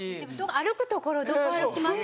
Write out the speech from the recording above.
歩く所どこ歩きますか？